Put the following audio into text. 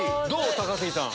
高杉さん。